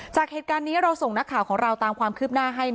จากเหตุการณ์นี้เราส่งนักข่าวของเราตามความคืบหน้าให้